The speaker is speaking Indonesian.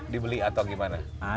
dibeli atau gimana